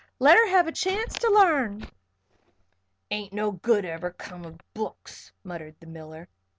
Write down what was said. Let her have a chance to l'arn." "Ain't no good ever come of books," muttered the miller.